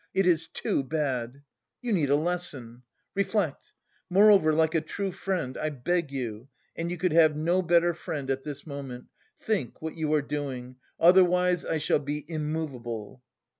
It is too bad! You need a lesson. Reflect! Moreover, like a true friend I beg you and you could have no better friend at this moment think what you are doing, otherwise I shall be immovable!